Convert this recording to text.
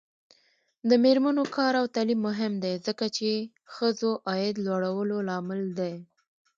د میرمنو کار او تعلیم مهم دی ځکه چې ښځو عاید لوړولو لامل دی.